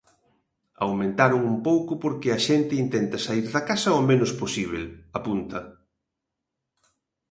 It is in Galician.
"Aumentaron un pouco porque a xente intenta saír da casa o menos posíbel", apunta.